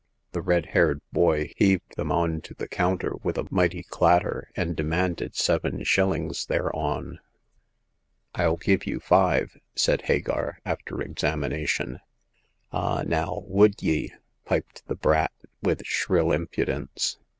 The red haired boy heaved them on to the counter with a mighty clatter, and demanded seven shillings thereon. " rU give you five," said Hagar, after exami nation. 'Ah, now, would ye ?*' piped the brat, wuth shrill impudence.